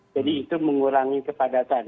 jadi itu mengurangi kepadatan